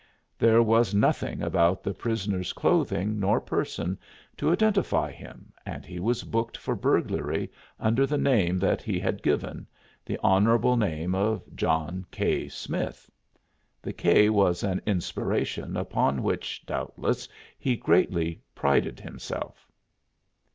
There was nothing about the prisoner's clothing nor person to identify him and he was booked for burglary under the name that he had given, the honorable name of John K. Smith. The K. was an inspiration upon which, doubtless, he greatly prided himself.